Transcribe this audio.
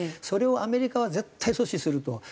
それをアメリカは絶対阻止すると。